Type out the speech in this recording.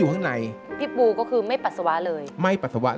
รายการต่อไปนี้เป็นรายการทั่วไปสามารถรับชมได้ทุกวัย